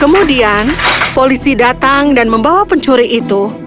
kemudian polisi datang dan membawa pencuri itu